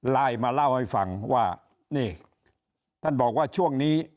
ไลน์มาเล่าให้ฟังว่านี่ท่านบอกว่าช่วงนี้